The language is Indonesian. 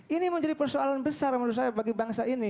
ini menjadi persoalan besar menurut saya bagi bangsa ini